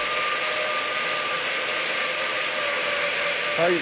はい。